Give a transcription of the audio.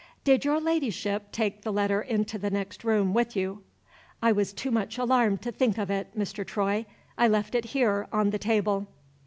"Did your Ladyship take the letter into the next room with you?" "I was too much alarmed to think of it, Mr. Troy. I left it here, on the table."